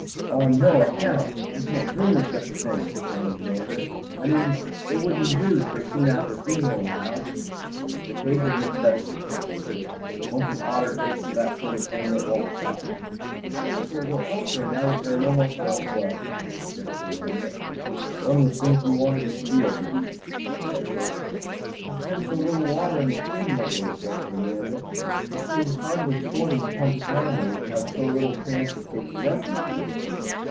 "On no account! You can't dream of such a thing!" exclaimed Amanda. "I mean, it wouldn't do, so soon after a funeral in the house." "It's a case of necessity," said Egbert; "once an otter takes to that sort of thing it won't stop." "Perhaps it will go elsewhere now there are no more fowls left," suggested Amanda. "One would think you wanted to shield the beast," said Egbert. "There's been so little water in the stream lately," objected Amanda; "it seems hardly sporting to hunt an animal when it has so little chance of taking refuge anywhere."